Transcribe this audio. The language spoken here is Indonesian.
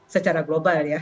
secara global ya